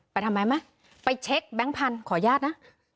ไปทำไมไหมไปเช็คแบงค์พันธุ์ขออนุญาตนะ